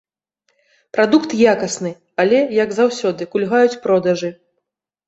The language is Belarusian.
Прадукт якасны, але, як заўсёды, кульгаюць продажы.